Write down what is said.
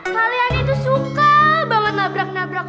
kalian itu suka bawa nabrak nabrak